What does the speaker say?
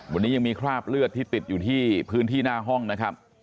วันนี้ยังมีคราบเลือดที่ติดอยู่ที่พื้นที่หน้าห้องนะครับ